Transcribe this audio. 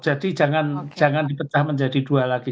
jadi jangan dipecah menjadi dua lagi